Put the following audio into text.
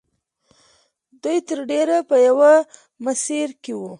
دوی تر ډېره په یوه مسیر کې وو